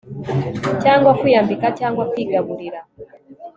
cyangwa kwiyambika cyangwa kwigaburira